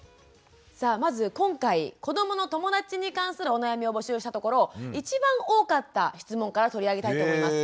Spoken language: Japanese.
さあまず今回子どもの友だちに関するお悩みを募集したところ一番多かった質問から取り上げたいと思います。